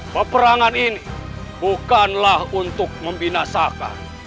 peperangan ini bukanlah untuk membinasaka